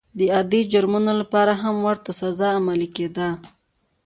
د عادي جرمونو لپاره هم ورته سزا عملي کېده.